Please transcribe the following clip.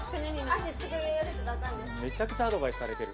めちゃくちゃアドバイスされてる。